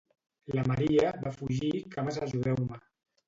La Maria va fugir cames ajudeu-me.